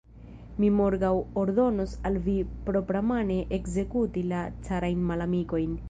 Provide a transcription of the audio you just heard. Mi morgaŭ ordonos al vi propramane ekzekuti la carajn malamikojn.